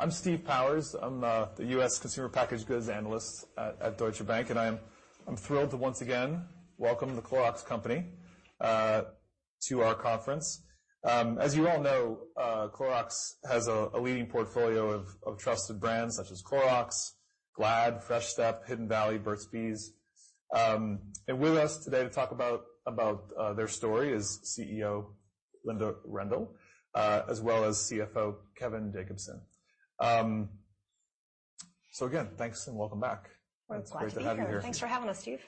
I'm Steve Powers. I'm the U.S. Consumer Packaged Goods Analyst at Deutsche Bank, and I'm thrilled to once again welcome the Clorox Company, to our conference. As you all know, Clorox has a leading portfolio of trusted brands such as Clorox, Glad, Fresh Step, Hidden Valley, and Burt's Bees. With us today to talk about their story is CEO Linda Rendle, as well as CFO Kevin Jacobsen. Thanks and welcome back. That's awesome. Thanks for having us, Steve.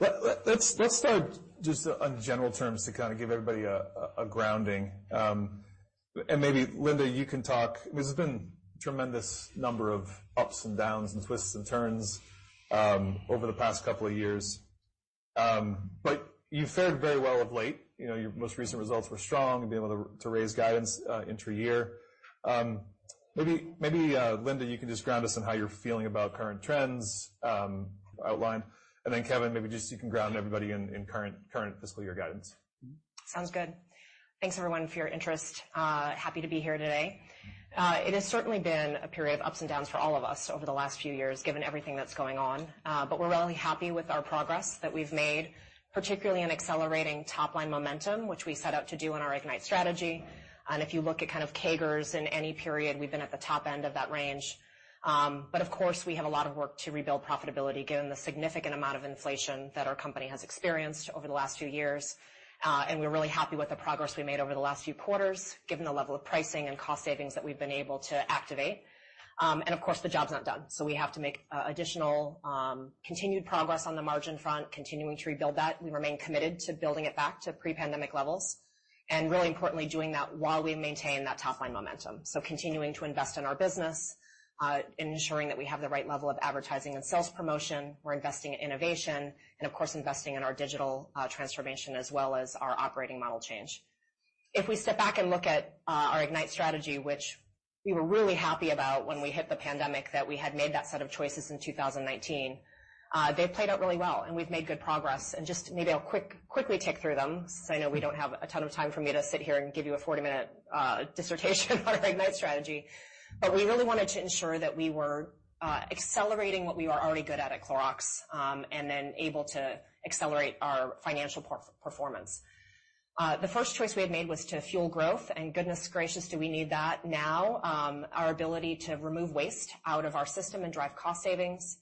Let's start just on general terms to kind of give everybody a grounding. Maybe, Linda, you can talk. There's been a tremendous number of ups and downs and twists and turns over the past couple of years, but you've fared very well of late. Your most recent results were strong, being able to raise guidance into a year. Maybe, Linda, you can just ground us in how you're feeling about current trends. Outlined. Then Kevin, maybe just you can ground everybody in current fiscal year guidance. Sounds good. Thanks, everyone, for your interest. Happy to be here today. It has certainly been a period of ups and downs for all of us over the last few years, given everything that's going on. We are really happy with our progress that we've made, particularly in accelerating top-line momentum, which we set out to do in our IGNITE Strategy. If you look at kind of CAGRs in any period, we've been at the top end of that range. We have a lot of work to rebuild profitability, given the significant amount of inflation that our company has experienced over the last few years. We are really happy with the progress we made over the last few quarters, given the level of pricing and cost savings that we've been able to activate. The job's not done. We have to make additional continued progress on the margin front, continuing to rebuild that. We remain committed to building it back to pre-pandemic levels. Really importantly, doing that while we maintain that top-line momentum. Continuing to invest in our business, ensuring that we have the right level of advertising and sales promotion, we're investing in innovation, and of course, investing in our digital transformation as well as our operating model change. If we step back and look at our IGNITE Strategy, which we were really happy about when we hit the pandemic, that we had made that set of choices in 2019, they've played out really well. We've made good progress. Maybe I'll quickly take through them, since I know we don't have a ton of time for me to sit here and give you a 40-minute dissertation on our IGNITE Strategy. We really wanted to ensure that we were accelerating what we were already good at at Clorox and then able to accelerate our financial performance. The first choice we had made was to fuel growth. Goodness gracious, do we need that now? Our ability to remove waste out of our system and drive cost savings.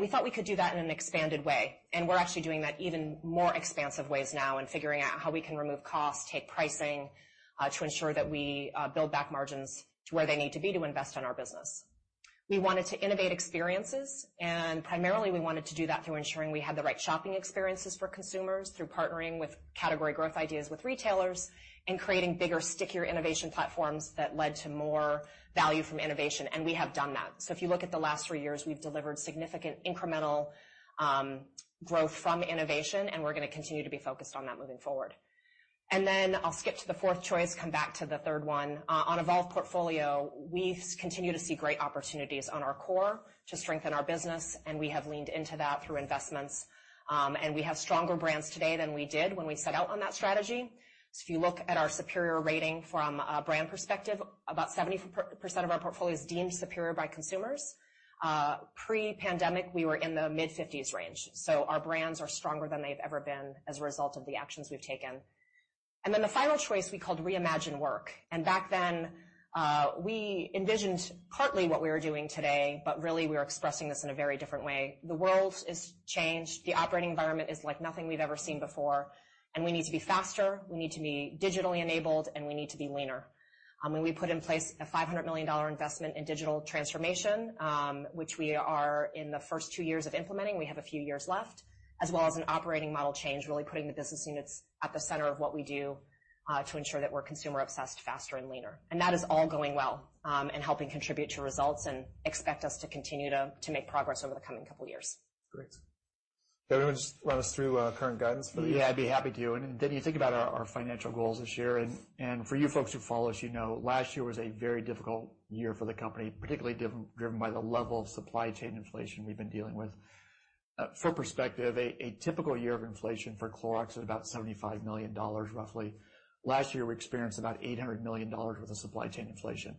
We thought we could do that in an expanded way. We are actually doing that even more expansive ways now and figuring out how we can remove cost, take pricing to ensure that we build back margins to where they need to be to invest in our business. We wanted to innovate experiences. Primarily, we wanted to do that through ensuring we had the right shopping experiences for consumers through partnering with category growth ideas with retailers and creating bigger, stickier innovation platforms that led to more value from innovation. We have done that. If you look at the last three years, we've delivered significant incremental growth from innovation, and we're going to continue to be focused on that moving forward. I'll skip to the fourth choice, come back to the third one. On Evolve portfolio, we continue to see great opportunities on our core to strengthen our business, and we have leaned into that through investments. We have stronger brands today than we did when we set out on that strategy. If you look at our superior rating from a brand perspective, about 70% of our portfolio is deemed superior by consumers. Pre-pandemic, we were in the mid-50% range. Our brands are stronger than they've ever been as a result of the actions we've taken. The final choice we called Reimagine Work. Back then, we envisioned partly what we are doing today, but really, we were expressing this in a very different way. The world has changed. The operating environment is like nothing we have ever seen before. We need to be faster. We need to be digitally enabled, and we need to be leaner. We put in place a $500 million investment in digital transformation, which we are in the first two years of implementing. We have a few years left, as well as an operating model change, really putting the business units at the center of what we do to ensure that we are consumer-obsessed, faster, and leaner. That is all going well and helping contribute to results, and we expect to continue to make progress over the coming couple of years. Great. Kevin, just run us through current guidance for the year. Yeah, I'd be happy to. You think about our financial goals this year. For you folks who follow us, you know last year was a very difficult year for the company, particularly driven by the level of supply chain inflation we've been dealing with. For perspective, a typical year of inflation for Clorox is about $75 million, roughly. Last year, we experienced about $800 million with the supply chain inflation.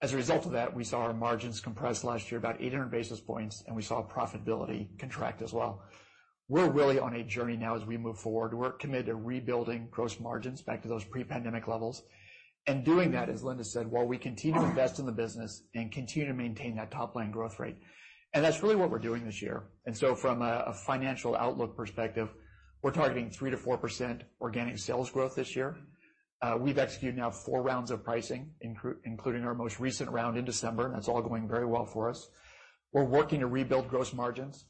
As a result of that, we saw our margins compress last year, about 800 basis points, and we saw profitability contract as well. We're really on a journey now as we move forward. We're committed to rebuilding gross margins back to those pre-pandemic levels. Doing that, as Linda said, while we continue to invest in the business and continue to maintain that top-line growth rate. That's really what we're doing this year. From a financial outlook perspective, we're targeting 3%-4% organic sales growth this year. We've executed now four rounds of pricing, including our most recent round in December. That's all going very well for us. We're working to rebuild gross margins.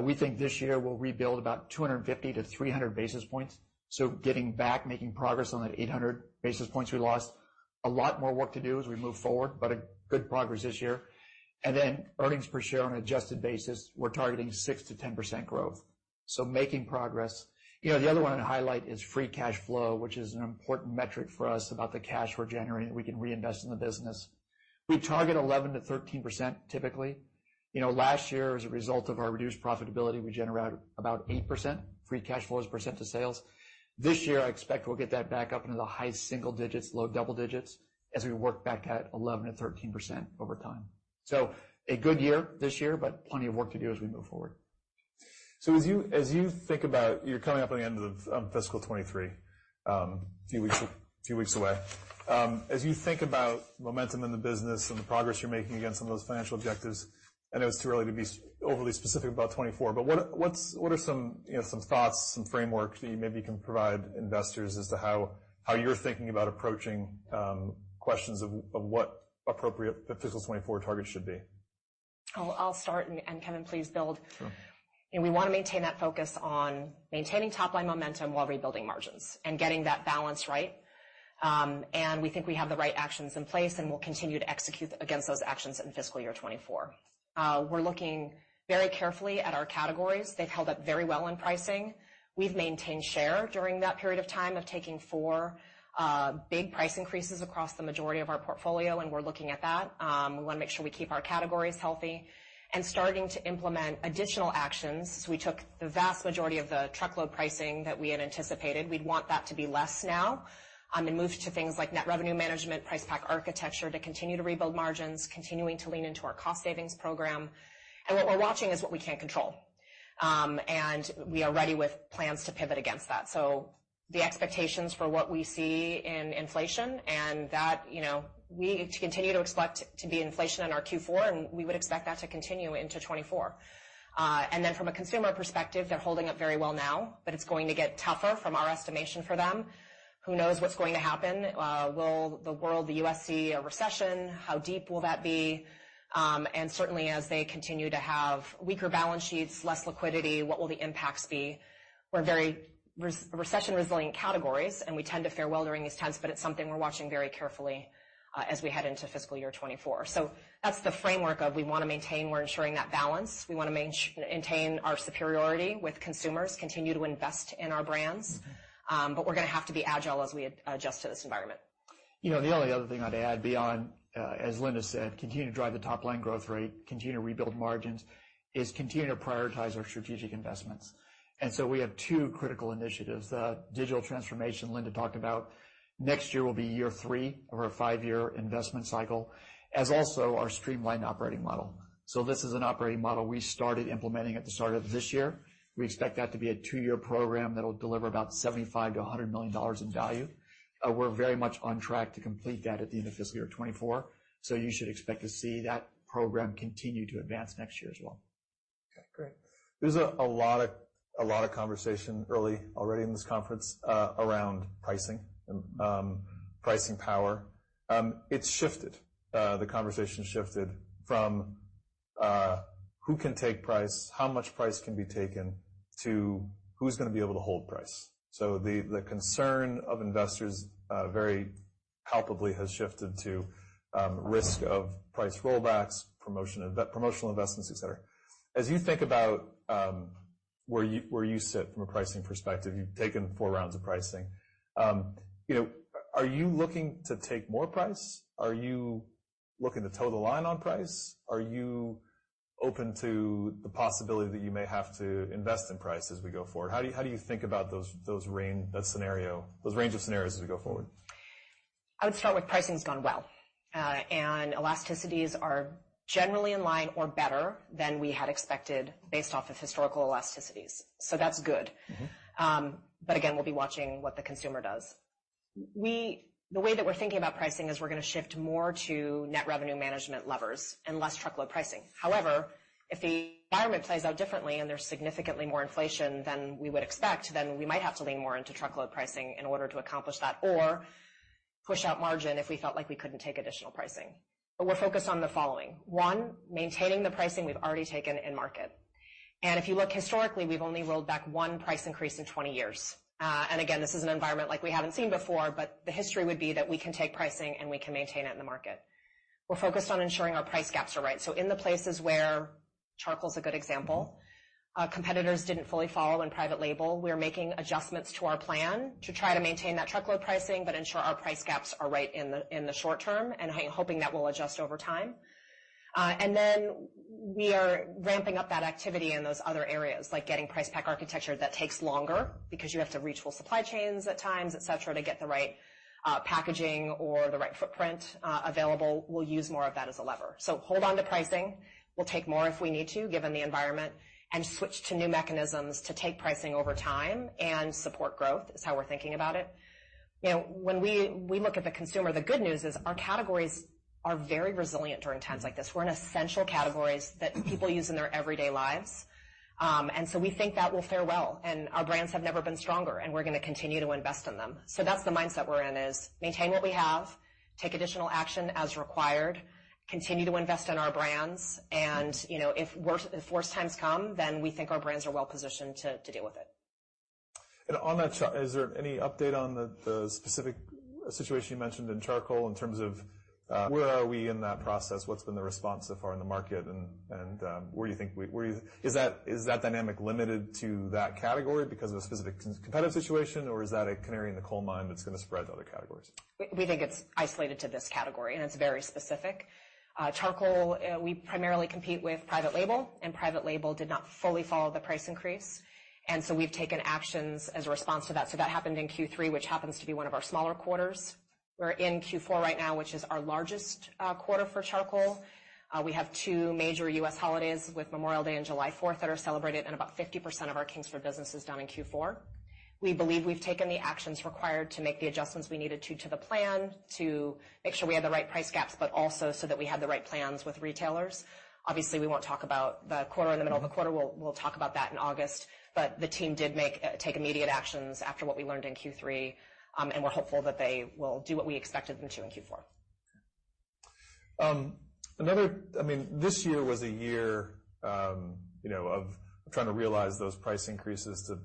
We think this year we'll rebuild about 250-300 basis points. Getting back, making progress on that 800 basis points we lost. A lot more work to do as we move forward, but good progress this year. Earnings per share on an adjusted basis, we're targeting 6%-10% growth. Making progress. The other one I'd highlight is free cash flow, which is an important metric for us about the cash we're generating that we can reinvest in the business. We target 11%-13% typically. Last year, as a result of our reduced profitability, we generated about 8% free cash flow as percent of sales. This year, I expect we'll get that back up into the high single digits, low double digits as we work back at 11%-13% over time. A good year this year, but plenty of work to do as we move forward. As you think about you're coming up on the end of fiscal 2023, a few weeks away. As you think about momentum in the business and the progress you're making against some of those financial objectives, I know it's too early to be overly specific about 2024, but what are some thoughts, some frameworks that you maybe can provide investors as to how you're thinking about approaching questions of what appropriate fiscal 2024 targets should be? I'll start, and Kevin, please build. We want to maintain that focus on maintaining top-line momentum while rebuilding margins and getting that balance right. We think we have the right actions in place, and we'll continue to execute against those actions in fiscal year 2024. We're looking very carefully at our categories. They've held up very well in pricing. We've maintained share during that period of time of taking four big price increases across the majority of our portfolio, and we're looking at that. We want to make sure we keep our categories healthy and starting to implement additional actions. We took the vast majority of the truckload pricing that we had anticipated. We'd want that to be less now and move to things like net revenue management, price pack architecture to continue to rebuild margins, continuing to lean into our cost savings program. What we are watching is what we cannot control. We are ready with plans to pivot against that. The expectations for what we see in inflation are that we continue to expect there to be inflation in our Q4, and we would expect that to continue into 2024. From a consumer perspective, they are holding up very well now, but it is going to get tougher from our estimation for them. Who knows what is going to happen? Will the world, the U.S., see a recession? How deep will that be? Certainly, as they continue to have weaker balance sheets and less liquidity, what will the impacts be? We are in very recession-resilient categories, and we tend to fare well during these times, but it is something we are watching very carefully as we head into fiscal year 2024. That is the framework we want to maintain; we are ensuring that balance. We want to maintain our superiority with consumers, continue to invest in our brands, but we're going to have to be agile as we adjust to this environment. You know, the only other thing I'd add beyond, as Linda said, continue to drive the top-line growth rate, continue to rebuild margins, is continue to prioritize our strategic investments. We have two critical initiatives. The digital transformation Linda talked about, next year will be year three of our five-year investment cycle, as also our streamlined operating model. This is an operating model we started implementing at the start of this year. We expect that to be a two-year program that'll deliver about $75 million-$100 million in value. We're very much on track to complete that at the end of fiscal year 2024. You should expect to see that program continue to advance next year as well. Okay, great. There is a lot of conversation early already in this conference around pricing, pricing power. It has shifted. The conversation shifted from who can take price, how much price can be taken, to who is going to be able to hold price. The concern of investors very palpably has shifted to risk of price rollbacks, promotional investments, etc. As you think about where you sit from a pricing perspective, you have taken four rounds of pricing. Are you looking to take more price? Are you looking to toe the line on price? Are you open to the possibility that you may have to invest in price as we go forward? How do you think about those scenarios, those range of scenarios as we go forward? I would start with pricing has gone well. Elasticities are generally in line or better than we had expected based off of historical elasticities. That is good. Again, we will be watching what the consumer does. The way that we are thinking about pricing is we are going to shift more to net revenue management levers and less truckload pricing. However, if the environment plays out differently and there is significantly more inflation than we would expect, we might have to lean more into truckload pricing in order to accomplish that or push out margin if we felt like we could not take additional pricing. We are focused on the following. One, maintaining the pricing we have already taken in market. If you look historically, we have only rolled back one price increase in 20 years. This is an environment like we haven't seen before, but the history would be that we can take pricing and we can maintain it in the market. We're focused on ensuring our price gaps are right. In the places where charcoal is a good example, competitors didn't fully follow and private label, we are making adjustments to our plan to try to maintain that truckload pricing, but ensure our price gaps are right in the short term and hoping that will adjust over time. We are ramping up that activity in those other areas, like getting price pack architecture that takes longer because you have to reach full supply chains at times, etc., to get the right packaging or the right footprint available. We'll use more of that as a lever. Hold on to pricing. will take more if we need to, given the environment, and switch to new mechanisms to take pricing over time and support growth is how we are thinking about it. When we look at the consumer, the good news is our categories are very resilient during times like this. We are in essential categories that people use in their everyday lives. We think that will fare well. Our brands have never been stronger, and we are going to continue to invest in them. That is the mindset we are in, maintain what we have, take additional action as required, continue to invest in our brands. If worse times come, we think our brands are well positioned to deal with it. On that chart, is there any update on the specific situation you mentioned in charcoal in terms of where are we in that process? What's been the response so far in the market? Where do you think is that dynamic limited to that category because of a specific competitive situation, or is that a canary in the coal mine that's going to spread to other categories? We think it's isolated to this category, and it's very specific. Charcoal, we primarily compete with private label, and private label did not fully follow the price increase. We have taken actions as a response to that. That happened in Q3, which happens to be one of our smaller quarters. We're in Q4 right now, which is our largest quarter for charcoal. We have two major U.S. holidays with Memorial Day and July 4th that are celebrated, and about 50% of our Kingsford business is done in Q4. We believe we've taken the actions required to make the adjustments we needed to the plan to make sure we had the right price gaps, but also so that we had the right plans with retailers. Obviously, we won't talk about the quarter in the middle of the quarter. We'll talk about that in August, but the team did take immediate actions after what we learned in Q3, and we're hopeful that they will do what we expected them to in Q4. I mean, this year was a year of trying to realize those price increases to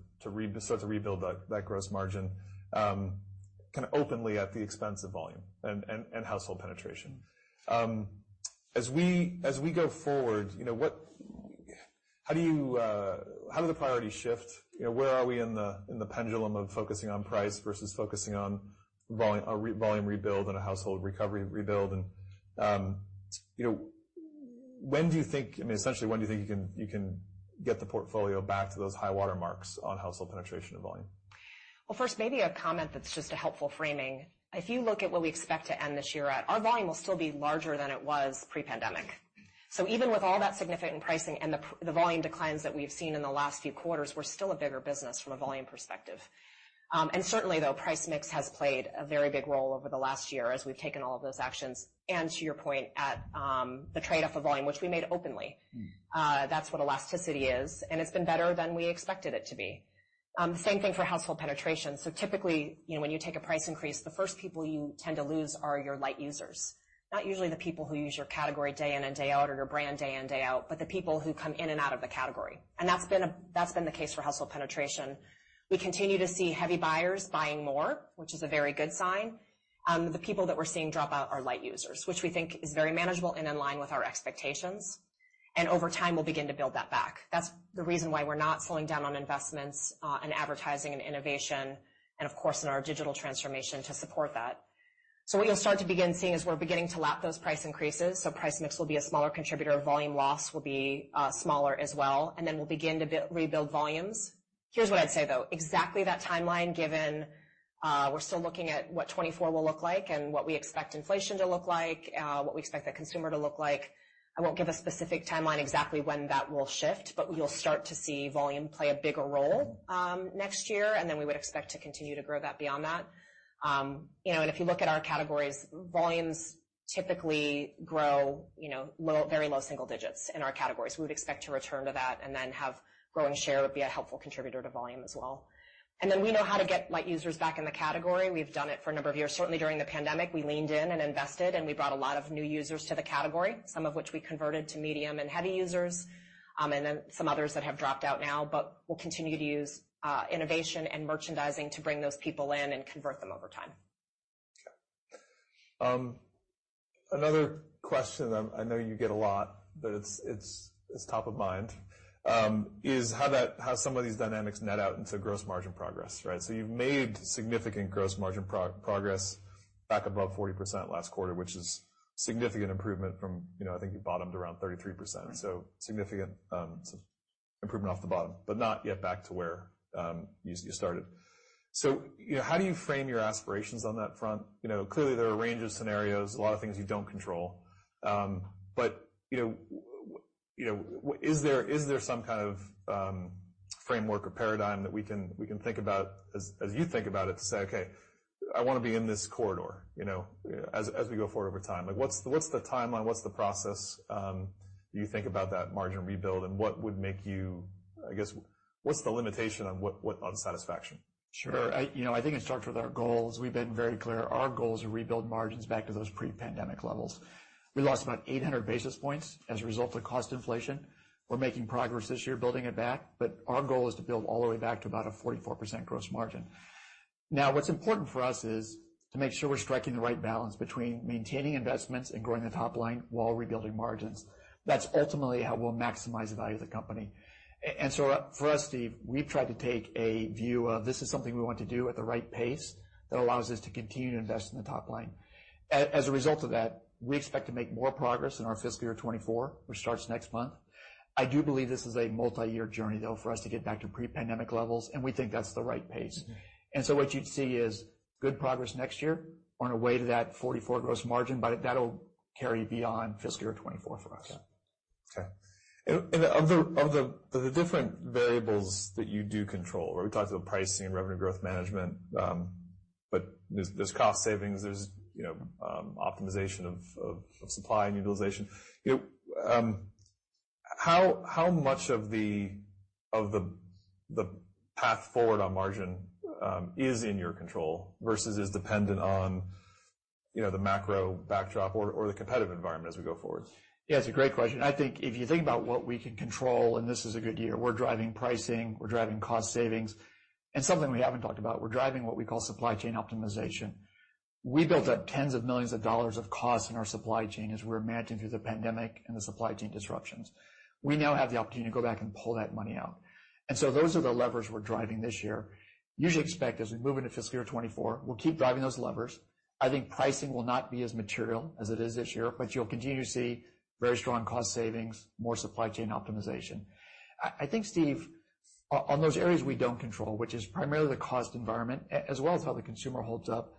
start to rebuild that gross margin kind of openly at the expense of volume and household penetration. As we go forward, how do the priorities shift? Where are we in the pendulum of focusing on price versus focusing on volume rebuild and a household recovery rebuild? And when do you think, I mean, essentially, when do you think you can get the portfolio back to those high watermarks on household penetration and volume? First, maybe a comment that's just a helpful framing. If you look at what we expect to end this year at, our volume will still be larger than it was pre-pandemic. Even with all that significant pricing and the volume declines that we've seen in the last few quarters, we're still a bigger business from a volume perspective. Certainly, though, price mix has played a very big role over the last year as we've taken all of those actions. To your point, at the trade-off of volume, which we made openly, that's what elasticity is. It's been better than we expected it to be. Same thing for household penetration. Typically, when you take a price increase, the first people you tend to lose are your light users, not usually the people who use your category day in and day out or your brand day in and day out, but the people who come in and out of the category. That has been the case for household penetration. We continue to see heavy buyers buying more, which is a very good sign. The people that we are seeing drop out are light users, which we think is very manageable and in line with our expectations. Over time, we will begin to build that back. That is the reason why we are not slowing down on investments and advertising and innovation, and of course, in our digital transformation to support that. What you will start to begin seeing is we are beginning to lap those price increases. Price mix will be a smaller contributor. Volume loss will be smaller as well. We will begin to rebuild volumes. Here's what I'd say, though. Exactly that timeline, given we're still looking at what 2024 will look like and what we expect inflation to look like, what we expect the consumer to look like. I won't give a specific timeline exactly when that will shift, but you'll start to see volume play a bigger role next year, and we would expect to continue to grow that beyond that. If you look at our categories, volumes typically grow very low single digits in our categories. We would expect to return to that and then have growing share be a helpful contributor to volume as well. We know how to get light users back in the category. We've done it for a number of years. Certainly, during the pandemic, we leaned in and invested, and we brought a lot of new users to the category, some of which we converted to medium and heavy users, and then some others that have dropped out now, but we will continue to use innovation and merchandising to bring those people in and convert them over time. Another question that I know you get a lot, but it's top of mind, is how some of these dynamics net out into gross margin progress, right? You have made significant gross margin progress back above 40% last quarter, which is a significant improvement from, I think you bottomed around 33%. Significant improvement off the bottom, but not yet back to where you started. How do you frame your aspirations on that front? Clearly, there are a range of scenarios, a lot of things you do not control. Is there some kind of framework or paradigm that we can think about as you think about it to say, "Okay, I want to be in this corridor as we go forward over time"? What is the timeline? What is the process? You think about that margin rebuild, and what would make you, I guess, what is the limitation on what unsatisfaction? Sure. I think it starts with our goals. We've been very clear. Our goal is to rebuild margins back to those pre-pandemic levels. We lost about 800 basis points as a result of cost inflation. We're making progress this year, building it back, but our goal is to build all the way back to about a 44% gross margin. Now, what's important for us is to make sure we're striking the right balance between maintaining investments and growing the top line while rebuilding margins. That's ultimately how we'll maximize the value of the company. For us, Steve, we've tried to take a view of this is something we want to do at the right pace that allows us to continue to invest in the top line. As a result of that, we expect to make more progress in our fiscal year 2024, which starts next month. I do believe this is a multi-year journey, though, for us to get back to pre-pandemic levels, and we think that's the right pace. What you'd see is good progress next year on a way to that 44% gross margin, but that'll carry beyond fiscal year 2024 for us. Okay. Of the different variables that you do control, we talked about pricing and revenue growth management, but there is cost savings, there is optimization of supply and utilization. How much of the path forward on margin is in your control versus is dependent on the macro backdrop or the competitive environment as we go forward? Yeah, it's a great question. I think if you think about what we can control, and this is a good year, we're driving pricing, we're driving cost savings, and something we haven't talked about, we're driving what we call supply chain optimization. We built up tens of millions of dollars of costs in our supply chain as we were managing through the pandemic and the supply chain disruptions. We now have the opportunity to go back and pull that money out. Those are the levers we're driving this year. Usually expect as we move into fiscal year 2024, we'll keep driving those levers. I think pricing will not be as material as it is this year, but you'll continue to see very strong cost savings, more supply chain optimization. I think, Steve, on those areas we do not control, which is primarily the cost environment, as well as how the consumer holds up,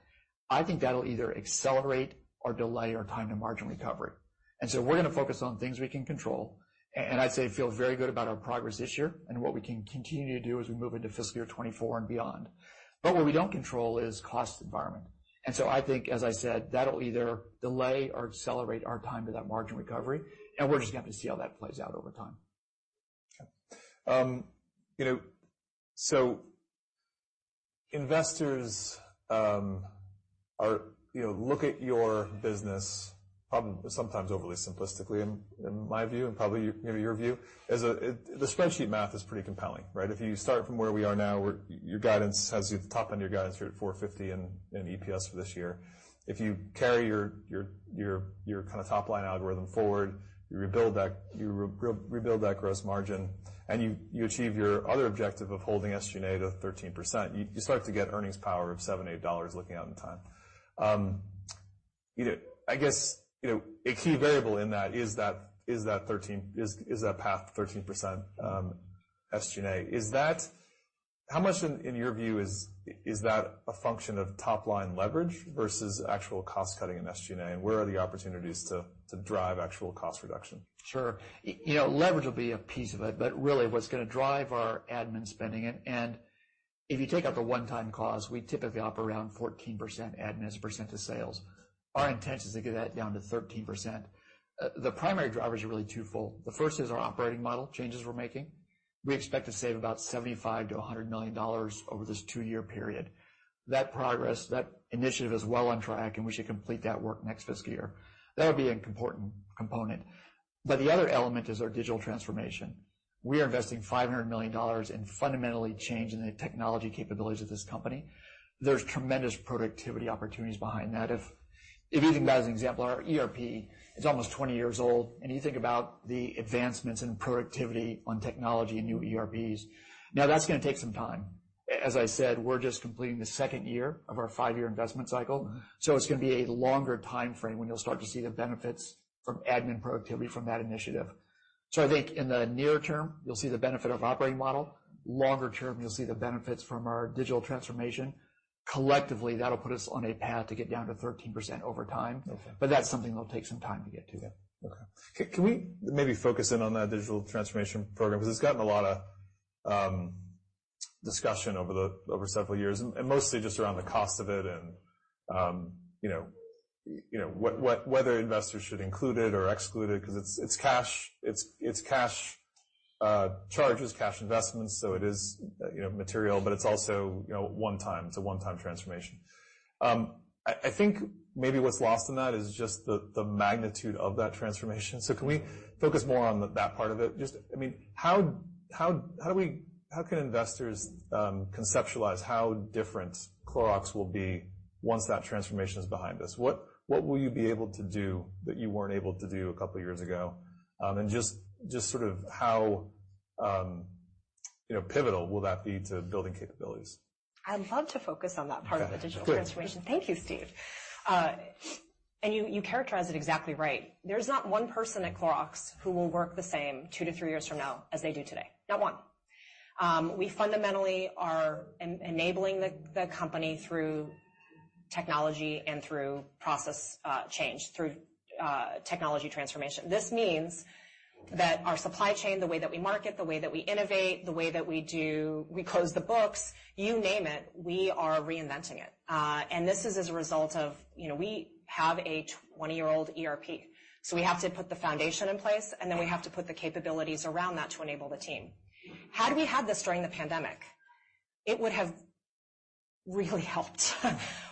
I think that will either accelerate or delay our time to margin recovery. We are going to focus on things we can control. I would say feel very good about our progress this year and what we can continue to do as we move into fiscal year 2024 and beyond. What we do not control is cost environment. I think, as I said, that will either delay or accelerate our time to that margin recovery, and we are just going to have to see how that plays out over time. Investors look at your business sometimes overly simplistically, in my view, and probably your view. The spreadsheet math is pretty compelling, right? If you start from where we are now, your guidance has you at the top end of your guidance here at $4.50 in EPS for this year. If you carry your kind of top line algorithm forward, you rebuild that gross margin, and you achieve your other objective of holding SG&A to 13%, you start to get earnings power of $7 looking out in time. I guess a key variable in that is that path 13% SG&A. How much, in your view, is that a function of top line leverage versus actual cost cutting in SG&A? And where are the opportunities to drive actual cost reduction? Sure. Leverage will be a piece of it, but really what's going to drive our admin spending. And if you take out the one-time cost, we typically operate around 14% admin as a percent of sales. Our intent is to get that down to 13%. The primary drivers are really twofold. The first is our operating model changes we're making. We expect to save about $75 million-$100 million over this two-year period. That progress, that initiative is well on track, and we should complete that work next fiscal year. That would be an important component. The other element is our digital transformation. We are investing $500 million in fundamentally changing the technology capabilities of this company. There's tremendous productivity opportunities behind that. If you think about it as an example, our ERP, it's almost 20 years old. You think about the advancements in productivity on technology and new ERPs. Now, that's going to take some time. As I said, we're just completing the second year of our five-year investment cycle. It's going to be a longer timeframe when you'll start to see the benefits from admin productivity from that initiative. I think in the near term, you'll see the benefit of operating model. Longer term, you'll see the benefits from our digital transformation. Collectively, that'll put us on a path to get down to 13% over time, but that's something that'll take some time to get to. Okay. Can we maybe focus in on that digital transformation program? Because it's gotten a lot of discussion over several years, and mostly just around the cost of it and whether investors should include it or exclude it, because it's cash charges, cash investments, so it is material, but it's also one-time. It's a one-time transformation. I think maybe what's lost in that is just the magnitude of that transformation. Can we focus more on that part of it? I mean, how can investors conceptualize how different Clorox will be once that transformation is behind us? What will you be able to do that you weren't able to do a couple of years ago? Just sort of how pivotal will that be to building capabilities? I'd love to focus on that part of the digital transformation. Thank you, Steve. You characterize it exactly right. There's not one person at Clorox who will work the same two to three years from now as they do today. Not one. We fundamentally are enabling the company through technology and through process change, through technology transformation. This means that our supply chain, the way that we market, the way that we innovate, the way that we close the books, you name it, we are reinventing it. This is as a result of we have a 20-year-old ERP. We have to put the foundation in place, and then we have to put the capabilities around that to enable the team. Had we had this during the pandemic, it would have really helped.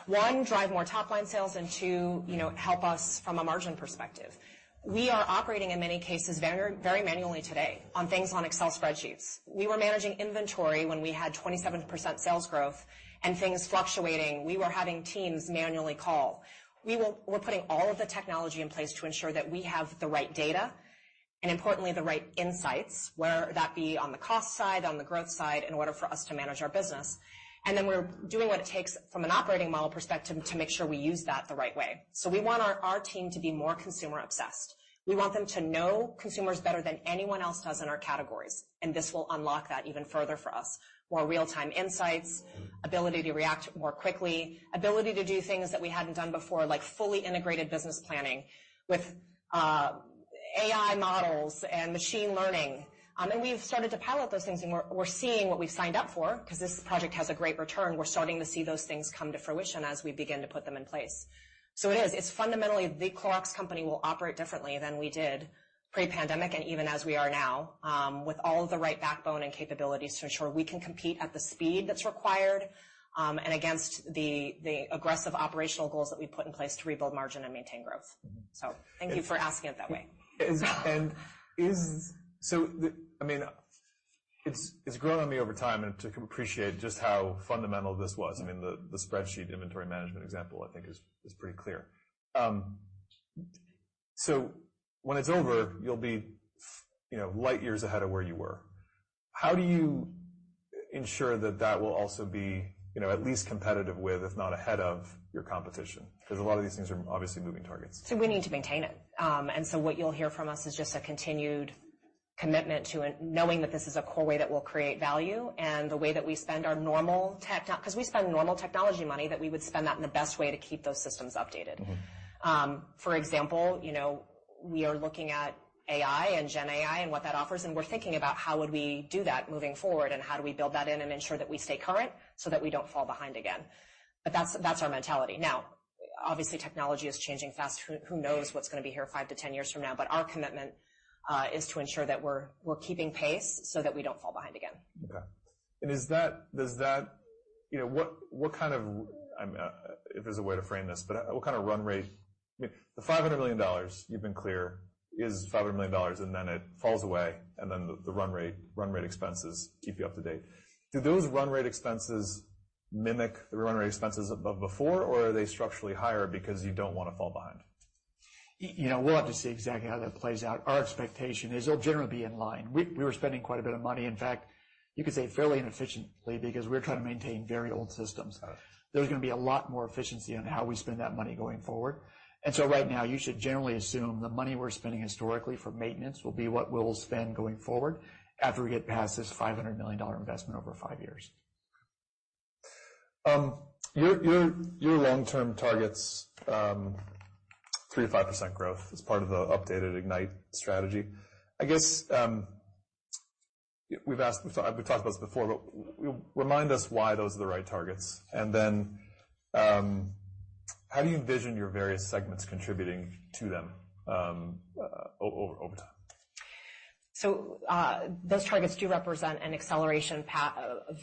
One, drive more top-line sales, and two, help us from a margin perspective. We are operating in many cases very manually today on things on Excel spreadsheets. We were managing inventory when we had 27% sales growth and things fluctuating. We were having teams manually call. We are putting all of the technology in place to ensure that we have the right data and, importantly, the right insights, whether that be on the cost side, on the growth side, in order for us to manage our business. We are doing what it takes from an operating model perspective to make sure we use that the right way. We want our team to be more consumer-obsessed. We want them to know consumers better than anyone else does in our categories. This will unlock that even further for us. More real-time insights, ability to react more quickly, ability to do things that we hadn't done before, like fully integrated business planning with AI models and machine learning. We've started to pilot those things, and we're seeing what we've signed up for because this project has a great return. We're starting to see those things come to fruition as we begin to put them in place. It is. It's fundamentally the Clorox Company will operate differently than we did pre-pandemic and even as we are now with all of the right backbone and capabilities to ensure we can compete at the speed that's required and against the aggressive operational goals that we put in place to rebuild margin and maintain growth. Thank you for asking it that way. I mean, it's grown on me over time, and I appreciate just how fundamental this was. I mean, the spreadsheet inventory management example, I think, is pretty clear. When it's over, you'll be light years ahead of where you were. How do you ensure that that will also be at least competitive with, if not ahead of, your competition? Because a lot of these things are obviously moving targets. We need to maintain it. What you'll hear from us is just a continued commitment to knowing that this is a core way that will create value and the way that we spend our normal tech because we spend normal technology money that we would spend that in the best way to keep those systems updated. For example, we are looking at AI and GenAI and what that offers, and we're thinking about how would we do that moving forward and how do we build that in and ensure that we stay current so that we don't fall behind again. That's our mentality. Obviously, technology is changing fast. Who knows what's going to be here 5 to 10 years from now? Our commitment is to ensure that we're keeping pace so that we don't fall behind again. Okay. Does that, what kind of, if there's a way to frame this, but what kind of run rate? I mean, the $500 million, you've been clear, is $500 million, and then it falls away, and then the run rate expenses keep you up to date. Do those run rate expenses mimic the run rate expenses of before, or are they structurally higher because you don't want to fall behind? We'll have to see exactly how that plays out. Our expectation is it'll generally be in line. We were spending quite a bit of money. In fact, you could say fairly inefficiently because we're trying to maintain very old systems. There's going to be a lot more efficiency on how we spend that money going forward. Right now, you should generally assume the money we're spending historically for maintenance will be what we'll spend going forward after we get past this $500 million investment over five years. Your long-term targets, 3-5% growth as part of the updated IGNITE Strategy. I guess we've talked about this before, but remind us why those are the right targets. I mean, how do you envision your various segments contributing to them over time? Those targets do represent an acceleration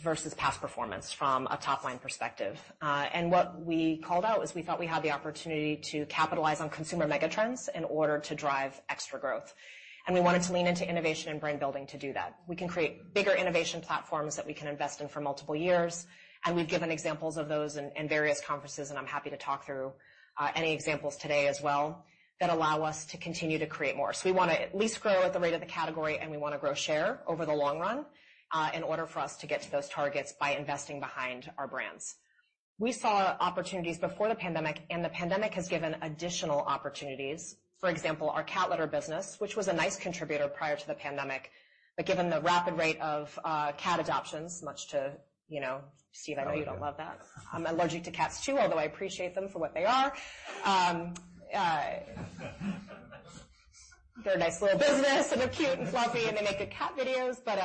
versus past performance from a top-line perspective. What we called out is we thought we had the opportunity to capitalize on consumer megatrends in order to drive extra growth. We wanted to lean into innovation and brand building to do that. We can create bigger innovation platforms that we can invest in for multiple years. We've given examples of those in various conferences, and I'm happy to talk through any examples today as well that allow us to continue to create more. We want to at least grow at the rate of the category, and we want to grow share over the long run in order for us to get to those targets by investing behind our brands. We saw opportunities before the pandemic, and the pandemic has given additional opportunities. For example, our cat litter business, which was a nice contributor prior to the pandemic, but given the rapid rate of cat adoptions, much to Steve, I know you don't love that. I'm allergic to cats too, although I appreciate them for what they are. They're a nice little business and they're cute and fluffy, and they make good cat videos, but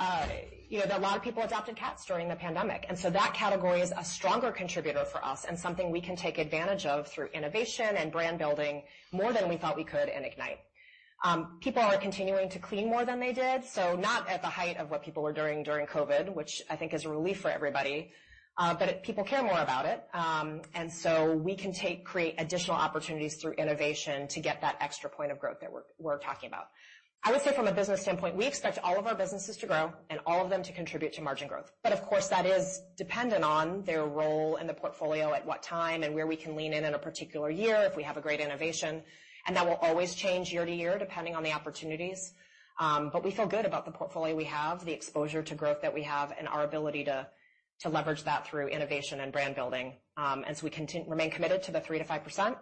a lot of people adopted cats during the pandemic. That category is a stronger contributor for us and something we can take advantage of through innovation and brand building more than we thought we could in Ignite. People are continuing to clean more than they did, not at the height of what people were doing during COVID, which I think is a relief for everybody, but people care more about it. We can create additional opportunities through innovation to get that extra point of growth that we're talking about. I would say from a business standpoint, we expect all of our businesses to grow and all of them to contribute to margin growth. Of course, that is dependent on their role in the portfolio, at what time and where we can lean in in a particular year if we have a great innovation. That will always change year to year depending on the opportunities. We feel good about the portfolio we have, the exposure to growth that we have, and our ability to leverage that through innovation and brand building. We remain committed to the 3-5%.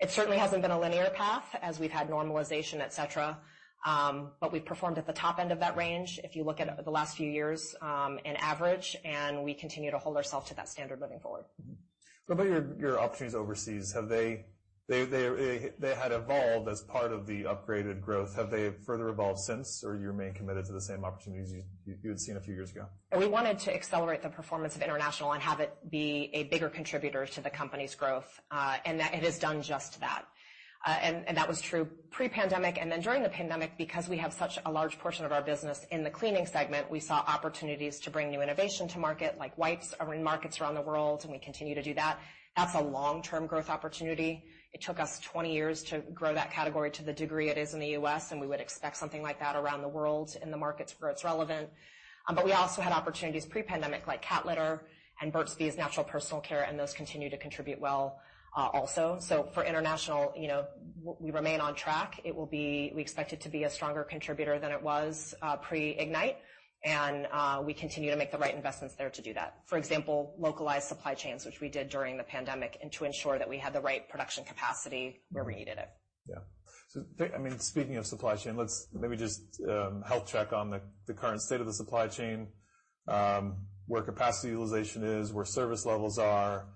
It certainly has not been a linear path as we have had normalization, etc., but we have performed at the top end of that range if you look at the last few years on average, and we continue to hold ourselves to that standard moving forward. What about your opportunities overseas? Have they had evolved as part of the upgraded growth? Have they further evolved since, or you remain committed to the same opportunities you had seen a few years ago? We wanted to accelerate the performance of international and have it be a bigger contributor to the company's growth, and it has done just that. That was true pre-pandemic and then during the pandemic because we have such a large portion of our business in the cleaning segment. We saw opportunities to bring new innovation to market like wipes in markets around the world, and we continue to do that. That is a long-term growth opportunity. It took us 20 years to grow that category to the degree it is in the U.S., and we would expect something like that around the world in the markets where it is relevant. We also had opportunities pre-pandemic like cat litter and Burt's Bees natural personal care, and those continue to contribute well also. For international, we remain on track. It will be, we expect it to be a stronger contributor than it was pre-IGNITE, and we continue to make the right investments there to do that. For example, localized supply chains, which we did during the pandemic, and to ensure that we had the right production capacity where we needed it. Yeah. So I mean, speaking of supply chain, let me just health check on the current state of the supply chain, where capacity utilization is, where service levels are,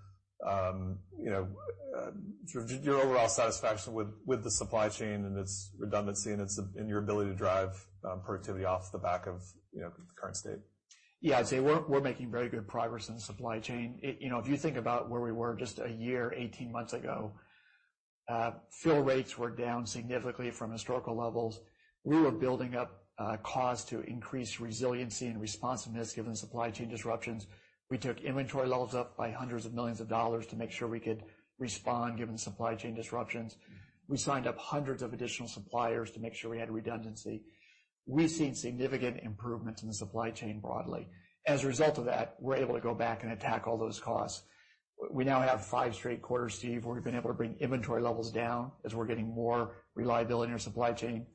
your overall satisfaction with the supply chain and its redundancy and your ability to drive productivity off the back of the current state. Yeah, I'd say we're making very good progress in the supply chain. If you think about where we were just a year, 18 months ago, fuel rates were down significantly from historical levels. We were building up cause to increase resiliency and responsiveness given supply chain disruptions. We took inventory levels up by hundreds of millions of dollars to make sure we could respond given supply chain disruptions. We signed up hundreds of additional suppliers to make sure we had redundancy. We've seen significant improvements in the supply chain broadly. As a result of that, we're able to go back and attack all those costs. We now have five straight quarters, Steve. We've been able to bring inventory levels down as we're getting more reliability in our supply chain.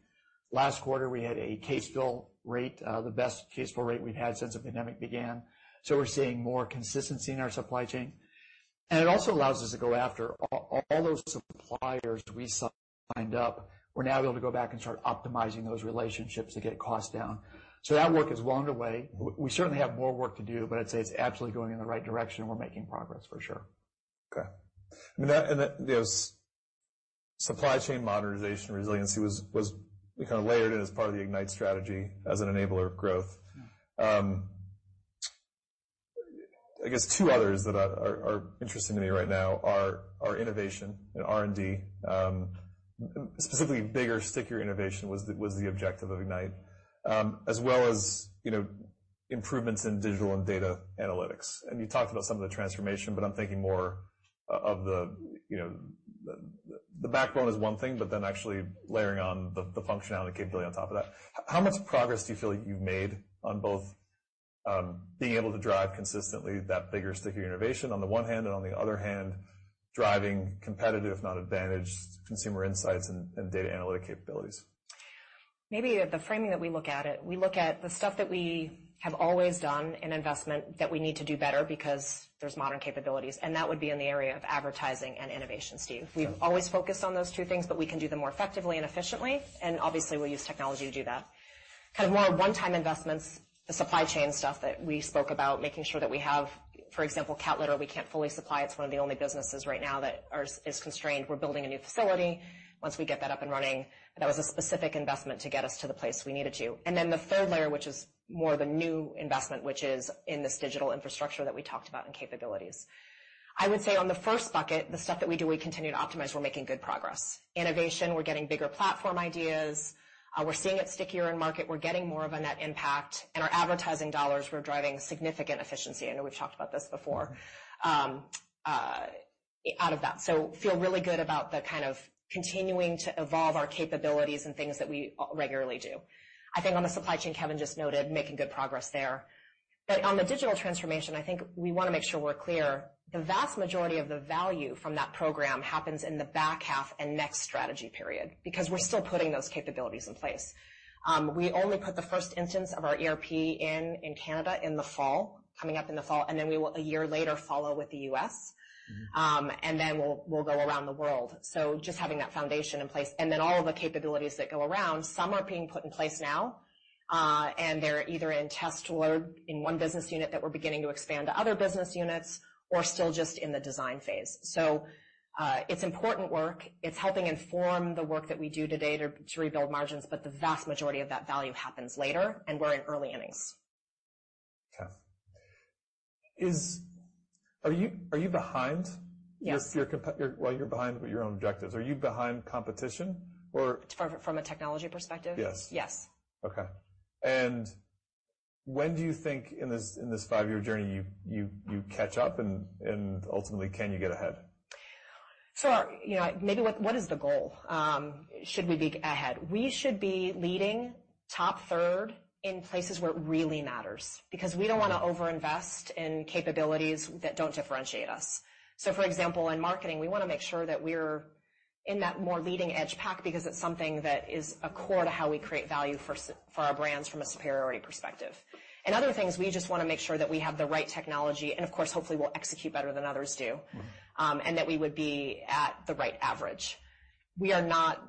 Last quarter, we had a case fill rate, the best case fill rate we've had since the pandemic began. We're seeing more consistency in our supply chain. It also allows us to go after all those suppliers we signed up. We're now able to go back and start optimizing those relationships to get costs down. That work is well underway. We certainly have more work to do, but I'd say it's absolutely going in the right direction. We're making progress for sure. Okay. That supply chain modernization resiliency was kind of layered in as part of the IGNITE Strategy as an enabler of growth. I guess two others that are interesting to me right now are innovation and R&D, specifically bigger, stickier innovation was the objective of IGNITE, as well as improvements in digital and data analytics. You talked about some of the transformation, but I'm thinking more of the backbone is one thing, but then actually layering on the functionality capability on top of that. How much progress do you feel you've made on both being able to drive consistently that bigger, stickier innovation on the one hand and on the other hand, driving competitive, if not advantaged, consumer insights and data analytic capabilities? Maybe the framing that we look at it, we look at the stuff that we have always done in investment that we need to do better because there's modern capabilities. That would be in the area of advertising and innovation, Steve. We've always focused on those two things, but we can do them more effectively and efficiently. Obviously, we'll use technology to do that. Kind of more one-time investments, the supply chain stuff that we spoke about, making sure that we have, for example, cat litter. We can't fully supply. It's one of the only businesses right now that is constrained. We're building a new facility. Once we get that up and running, that was a specific investment to get us to the place we needed to. The third layer, which is more the new investment, is in this digital infrastructure that we talked about and capabilities. I would say on the first bucket, the stuff that we do, we continue to optimize. We're making good progress. Innovation, we're getting bigger platform ideas. We're seeing it stickier in market. We're getting more of a net impact. And our advertising dollars, we're driving significant efficiency. I know we've talked about this before out of that. So feel really good about the kind of continuing to evolve our capabilities and things that we regularly do. I think on the supply chain, Kevin just noted, making good progress there. On the digital transformation, I think we want to make sure we're clear. The vast majority of the value from that program happens in the back half and next strategy period because we're still putting those capabilities in place. We only put the first instance of our ERP in Canada in the fall, coming up in the fall, and then we will a year later follow with the U.S., and then we'll go around the world. Just having that foundation in place and then all of the capabilities that go around, some are being put in place now, and they're either in test or in one business unit that we're beginning to expand to other business units or still just in the design phase. It's important work. It's helping inform the work that we do today to rebuild margins, but the vast majority of that value happens later, and we're in early innings. Okay. Are you behind? Yes. You're behind with your own objectives. Are you behind competition or? From a technology perspective. Yes. Yes. Okay. When do you think in this five-year journey you catch up and ultimately can you get ahead? Maybe what is the goal? Should we be ahead? We should be leading top third in places where it really matters because we do not want to overinvest in capabilities that do not differentiate us. For example, in marketing, we want to make sure that we are in that more leading-edge pack because it is something that is core to how we create value for our brands from a superiority perspective. In other things, we just want to make sure that we have the right technology and, of course, hopefully we will execute better than others do and that we would be at the right average. We will not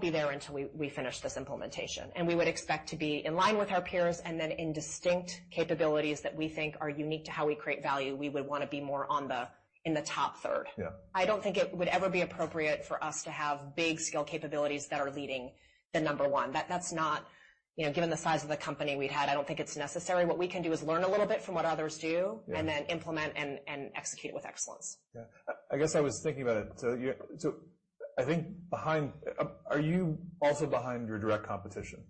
be there until we finish this implementation. We would expect to be in line with our peers and then in distinct capabilities that we think are unique to how we create value. We would want to be more in the top third. I don't think it would ever be appropriate for us to have big scale capabilities that are leading the number one. Given the size of the company we'd had, I don't think it's necessary. What we can do is learn a little bit from what others do and then implement and execute with excellence. Yeah. I guess I was thinking about it. I think behind, are you also behind your direct competition?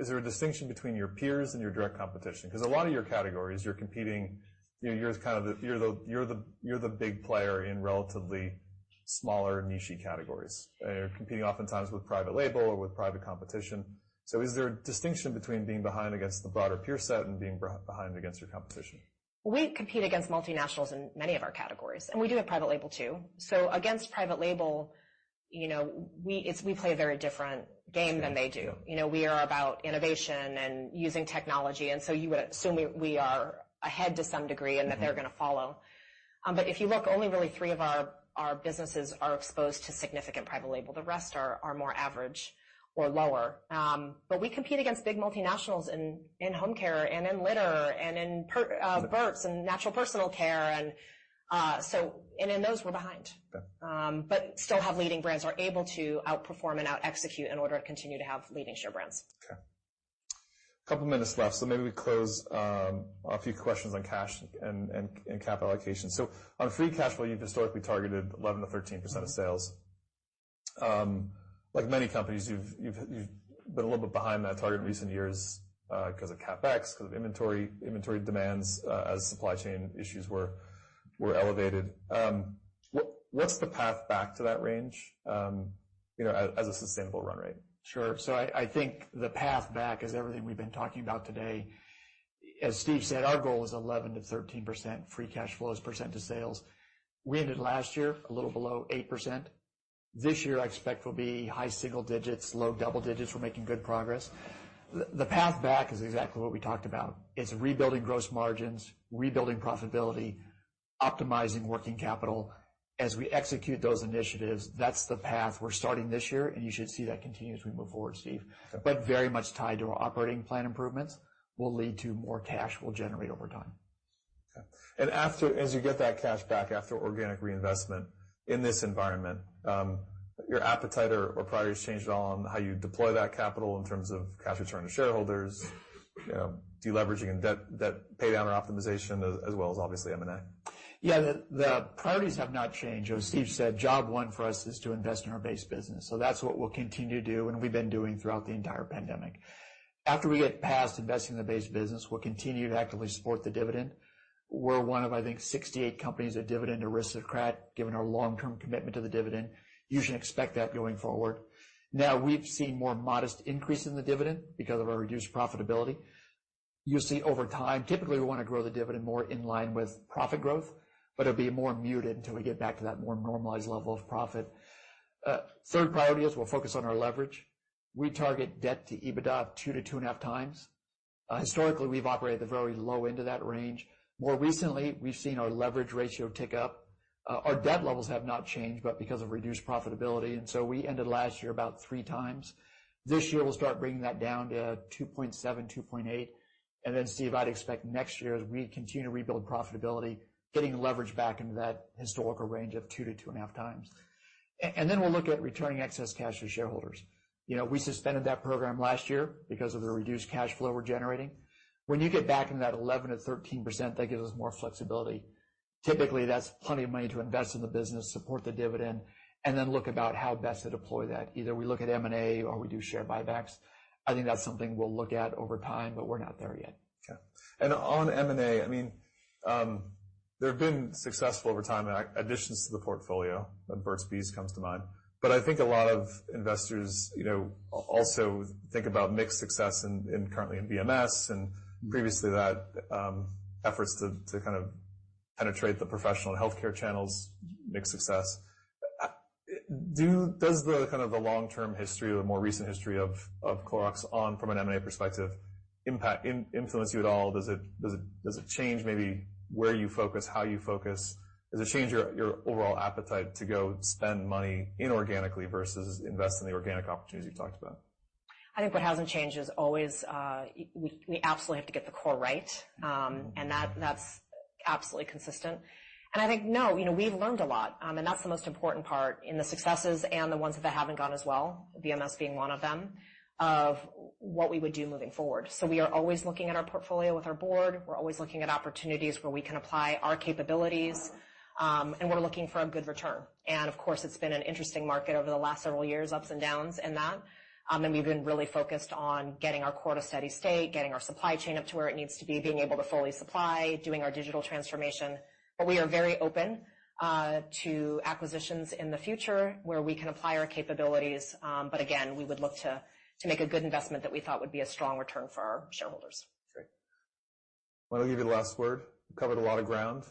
Is there a distinction between your peers and your direct competition? Because a lot of your categories, you're competing, you're kind of the big player in relatively smaller niche categories. You're competing oftentimes with private label or with private competition. Is there a distinction between being behind against the broader peer set and being behind against your competition? We compete against multinationals in many of our categories, and we do have private label too. Against private label, we play a very different game than they do. We are about innovation and using technology. You would assume we are ahead to some degree and that they are going to follow. If you look, only really three of our businesses are exposed to significant private label. The rest are more average or lower. We compete against big multinationals in home care and in litter and in Burt's and natural personal care. In those, we are behind, but still have leading brands that are able to outperform and out-execute in order to continue to have leading share brands. Okay. A couple of minutes left. Maybe we close off a few questions on cash and cap allocation. On free cash flow, you've historically targeted 11%-13% of sales. Like many companies, you've been a little bit behind that target in recent years because of CapEx, because of inventory demands as supply chain issues were elevated. What's the path back to that range as a sustainable run rate? Sure. I think the path back is everything we've been talking about today. As Steve said, our goal is 11%-13% free cash flows as a percent of sales. We ended last year a little below 8%. This year, I expect will be high single digits, low double digits. We're making good progress. The path back is exactly what we talked about. It's rebuilding gross margins, rebuilding profitability, optimizing working capital. As we execute those initiatives, that's the path we're starting this year, and you should see that continue as we move forward, Steve, but very much tied to our operating plan improvements will lead to more cash we'll generate over time. Okay. As you get that cash back after organic reinvestment in this environment, your appetite or priorities change at all on how you deploy that capital in terms of cash return to shareholders, deleveraging and debt paydown or optimization, as well as obviously M&A? Yeah. The priorities have not changed. As Steve said, job one for us is to invest in our base business. That is what we will continue to do and we have been doing throughout the entire pandemic. After we get past investing in the base business, we will continue to actively support the dividend. We are one of, I think, 68 companies that dividend or risk of credit given our long-term commitment to the dividend. You should expect that going forward. Now, we have seen more modest increase in the dividend because of our reduced profitability. You will see over time, typically we want to grow the dividend more in line with profit growth, but it will be more muted until we get back to that more normalized level of profit. Third priority is we will focus on our leverage. We target debt to EBITDA of 2-2.5 times. Historically, we've operated the very low end of that range. More recently, we've seen our leverage ratio tick up. Our debt levels have not changed, but because of reduced profitability. We ended last year about three times. This year, we'll start bringing that down to 2.7-2.8, and I expect next year as we continue to rebuild profitability, getting leverage back into that historical range of two-2.5 times. We will look at returning excess cash to shareholders. We suspended that program last year because of the reduced cash flow we're generating. When you get back into that 11-13%, that gives us more flexibility. Typically, that's plenty of money to invest in the business, support the dividend, and then look about how best to deploy that. Either we look at M&A or we do share buybacks. I think that's something we'll look at over time, but we're not there yet. Okay. On M&A, I mean, there have been successful over time additions to the portfolio. Burt's Bees comes to mind. I think a lot of investors also think about mixed success currently in BMS and previously that efforts to kind of penetrate the professional healthcare channels, mixed success. Does kind of the long-term history or the more recent history of Clorox on from an M&A perspective influence you at all? Does it change maybe where you focus, how you focus? Does it change your overall appetite to go spend money inorganically versus invest in the organic opportunities you've talked about? I think what hasn't changed is always we absolutely have to get the core right, and that's absolutely consistent. I think, no, we've learned a lot, and that's the most important part in the successes and the ones that haven't gone as well, BMS being one of them, of what we would do moving forward. We are always looking at our portfolio with our board. We're always looking at opportunities where we can apply our capabilities, and we're looking for a good return. Of course, it's been an interesting market over the last several years, ups and downs in that. We've been really focused on getting our core to steady state, getting our supply chain up to where it needs to be, being able to fully supply, doing our digital transformation. We are very open to acquisitions in the future where we can apply our capabilities. Again, we would look to make a good investment that we thought would be a strong return for our shareholders. Great. I'll give you the last word. We covered a lot of ground.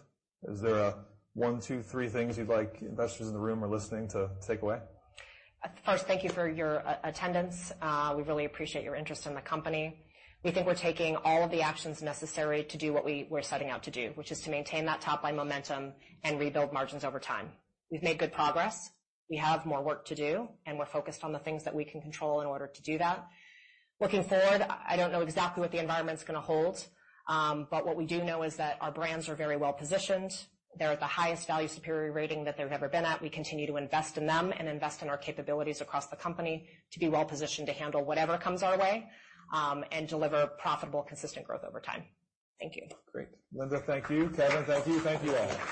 Is there one, two, three things you'd like investors in the room or listening to take away? First, thank you for your attendance. We really appreciate your interest in the company. We think we're taking all of the actions necessary to do what we're setting out to do, which is to maintain that top-line momentum and rebuild margins over time. We've made good progress. We have more work to do, and we're focused on the things that we can control in order to do that. Looking forward, I don't know exactly what the environment's going to hold, but what we do know is that our brands are very well positioned. They're at the highest value superior rating that they've ever been at. We continue to invest in them and invest in our capabilities across the company to be well positioned to handle whatever comes our way and deliver profitable, consistent growth over time. Thank you. Great. Linda, thank you. Kevin, thank you. Thank you all.